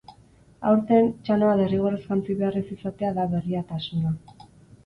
Aurten, txanoa derrigorrez jantzi behar ez izatea da berritasuna.